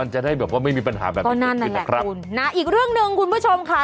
มันจะได้แบบว่าไม่มีปัญหาแบบนั้นแหละอีกเรื่องนึงคุณผู้ชมค่ะ